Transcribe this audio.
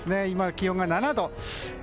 今、気温が７度。